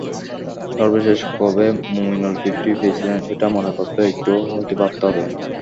সর্বশেষ কবে মুমিনুল ফিফটি পেয়েছিলেন, সেটা মনে করতেও একটু হয়তো ভাবতে হবে।